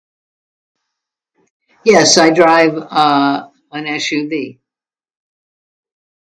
Yes, I drive, uh, an SUV